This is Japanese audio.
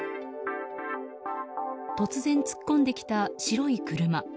突然突っ込んできた白い車。